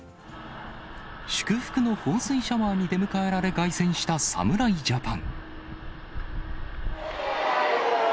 祝福の放水シャワーに出迎えられ、凱旋した侍ジャパン。